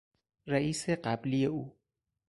رییس قبلی او